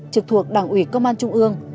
trực thuộc đảng ủy công an trung ương